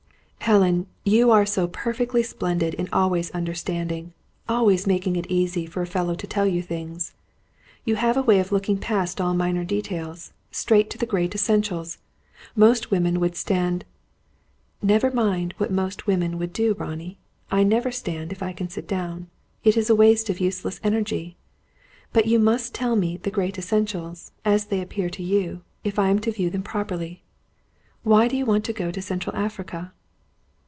"Helen, you are so perfectly splendid in always understanding, always making it quite easy for a fellow to tell you things. You have a way of looking past all minor details, straight to the great essentials. Most women would stand " "Never mind what most women would do, Ronnie. I never stand, if I can sit down! It is a waste of useful energy. But you must tell me 'the great essentials,' as they appear to you, if I am to view them properly. Why do you want to go to Central Africa?"